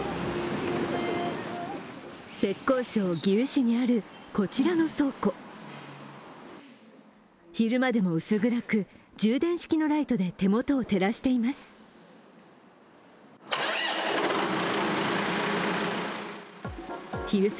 浙江省義烏市にある、こちらの倉庫昼間でも薄暗く、充電式のライトで手元を照らしています。